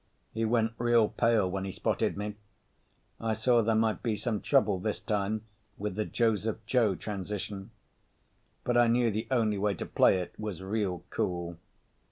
He went real pale when he spotted me. I saw there might be some trouble this time with the Joseph Joe transition. But I knew the only way to play it was real cool.